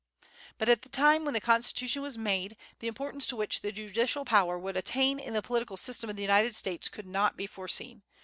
But at the time when the Constitution was made, the importance to which the judicial power would attain in the political system of the United States could not be foreseen.